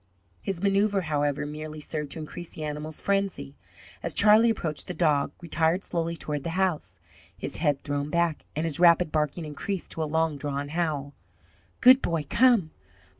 His manoeuvre, however, merely served to increase the animal's frenzy. As Charlie approached the dog retired slowly toward the house, his head thrown back, and his rapid barking increased to a long drawn howl. "Good boy, come!